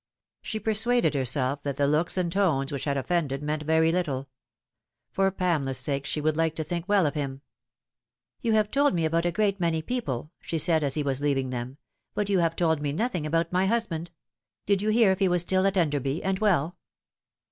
She persuaded herself that the looks and tones which had offended meant very little. For Pamela's sake she would like to think well of him. " You have told me about a great many people," she said, as he was leaving them, " but you have told me nothing about my husband. Did you hear if he was still at Enderby and well